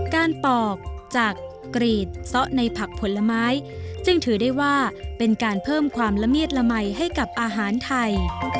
ปอกจากกรีดซะในผักผลไม้จึงถือได้ว่าเป็นการเพิ่มความละเมียดละมัยให้กับอาหารไทย